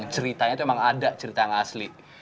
ceritanya itu memang ada cerita yang asli